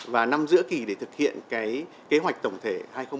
và năm giữa kỷ để thực hiện cái kế hoạch tổng thể hai nghìn một mươi năm hai nghìn hai mươi năm